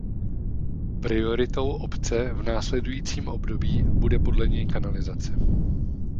Prioritou obce v následujícím období bude podle něj kanalizace.